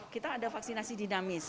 kita ada vaksinasi dinamis